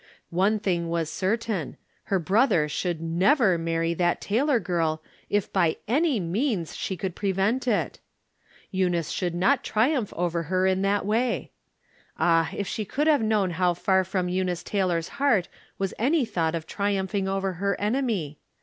One thing was cer tain — her brother should never marry that Tay lor girl if by any means she could prevent it ! Eunice should not triumph over her in that way ! Ah, if she could have known how far from Eu nice Taylor's heart was any thought of triumph ing over her enemy.